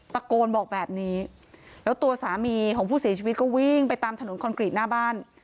ตะโกนบอกแบบนี้แล้วตัวสามีของผู้เสียชีวิตก็วิ่งไปตามถนนคอนกรีตหน้าบ้าน